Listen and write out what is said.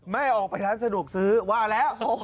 ไม่ออกไปร้านสะดวกซื้อว่าแล้ว